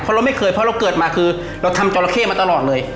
เพราะเราไม่เคยเพราะเราเกิดมาคือเราทำจราเข้มาตลอดเลย